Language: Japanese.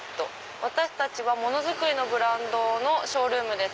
「私たちはものづくりブランドのショールームです。